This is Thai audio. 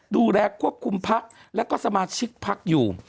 ดูแลควบคุมพักและก็สมาชิกพักอยู่